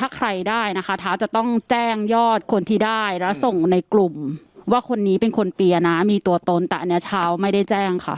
ถ้าใครได้นะคะเท้าจะต้องแจ้งยอดคนที่ได้และส่งในกลุ่มว่าคนนี้เป็นคนเปียร์นะมีตัวตนแต่อันนี้เช้าไม่ได้แจ้งค่ะ